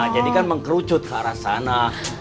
kan mengkerucut ke arah sana